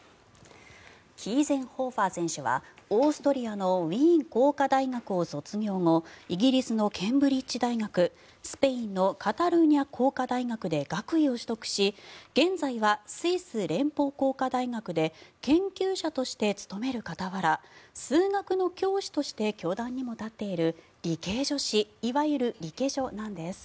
キーゼンホーファー選手はオーストリアのウィーン工科大学を卒業後イギリスのケンブリッジ大学スペインのカタルーニャ工科大学で学位を取得し現在はスイス連邦工科大学で研究者として勤める傍ら数学の教師として教壇にも立っている理系女子いわゆるリケジョなんです。